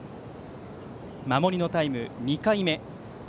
守りのタイム、２回目。